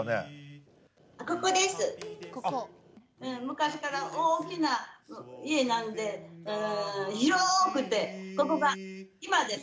昔から大きな家なんで広くてここが居間です。